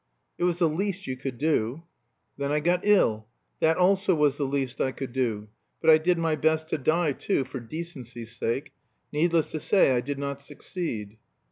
"It was the least you could do." "Then I got ill. That also was the least I could do. But I did my best to die too, for decency's sake. Needless to say, I did not succeed."